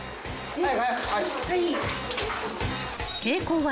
はい。